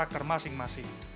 sesuai karakter masing masing